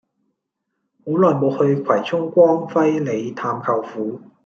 好耐無去葵涌光輝里探舅父